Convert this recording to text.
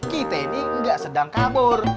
kita ini enggak sedang kabur